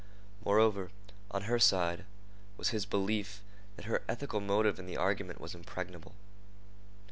Moreover, on her side, was his belief that her ethical motive in the argument was impregnable.